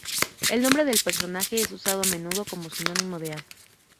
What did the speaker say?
El nombre del personaje es usado a menudo como sinónimo de hada.